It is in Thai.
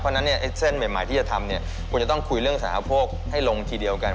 เพราะฉะนั้นเส้นใหม่ที่จะทำเนี่ยควรจะต้องคุยเรื่องสารโภคให้ลงทีเดียวกัน